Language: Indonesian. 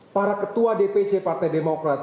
para ketua dpc partai demokrat